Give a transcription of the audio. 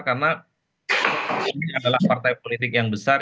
karena ini adalah partai politik yang besar